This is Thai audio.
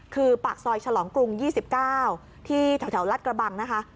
คือปากซอยฉลองกรุง๒๙ที่แถวรัฐกระบังนะคะ